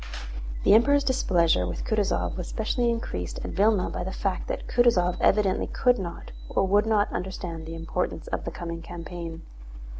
The Emperor's displeasure with Kutúzov was specially increased at Vílna by the fact that Kutúzov evidently could not or would not understand the importance of the coming campaign.